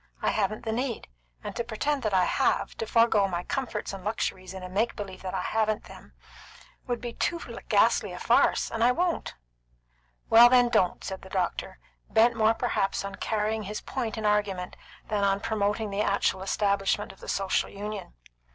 I haven't the need, and to pretend that I have, to forego my comforts and luxuries in a make believe that I haven't them, would be too ghastly a farce, and I won't." "Well, then, don't," said the doctor, bent more perhaps on carrying his point in argument than on promoting the actual establishment of the Social Union.